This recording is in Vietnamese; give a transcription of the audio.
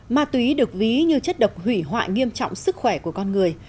ma túy được ví như chất độc hủy hoại nghiêm trọng sức khỏe của con người